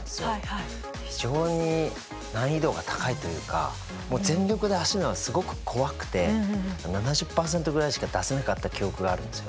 非常に難易度が高いというかもう全力で走るのがすごく怖くて７０％ぐらいしか出せなかった記憶があるんですよね。